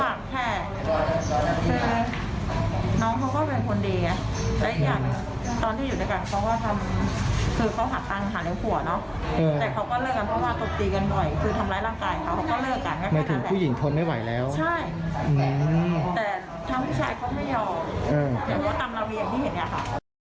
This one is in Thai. ใช่แต่ทั้งผู้ชายเขาไม่ยอมเหมือนกับตำรวีอย่างที่เห็นเนี่ยค่ะ